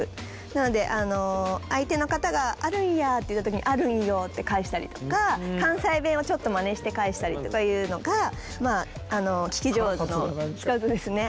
なので相手の方があるんやって言った時にあるんよって返したりとか関西弁をちょっとまねして返したりとかいうのが聞き上手の一つですね。